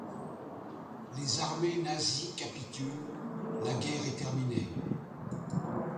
Les Armées nazies capitulent, la guerre est terminée.